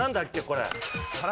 これ。